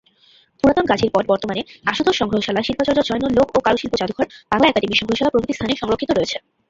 পুরাতন গাজীর পট বর্তমানে আশুতোষ সংগ্রহশালা, শিল্পাচার্য জয়নুল লোক ও কারুশিল্প জাদুঘর, বাংলা একাডেমি সংগ্রহশালা প্রভৃতি স্থানে সংরক্ষিত রয়েছে।